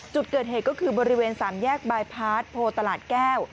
จุดเกิดเหตุก็คือบริเวณสามแยกบายพาร์ทโพตลาดแก้ว